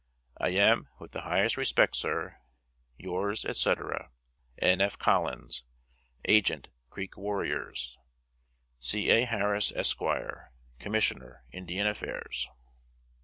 "I am, with the highest respect, sir, Yours, etc., N. F. COLLINS, Agent Creek Warriors." C. A. HARRIS, Esq., Commissioner Indian Affairs.